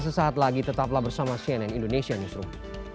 sesaat lagi tetaplah bersama cnn indonesia newsroom